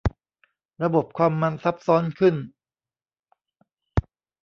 ระบบคอมมันซับซ้อนขึ้น